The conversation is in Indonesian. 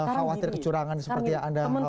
khawatir kecurangan seperti yang anda